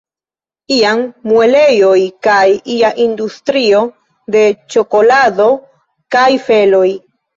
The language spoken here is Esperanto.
Iam muelejoj kaj ia industrio de ĉokolado kaj feloj.